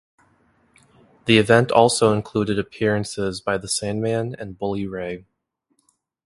The event also included appearances by The Sandman and Bully Ray.